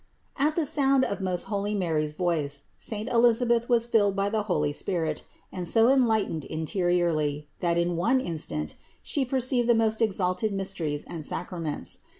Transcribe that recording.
At the sound of most holy Mary's voice, saint Elisabeth was filled by the Holy Ghost and so enlight ened interiorly, that in one instant she perceived the most exalted mysteries and sacraments.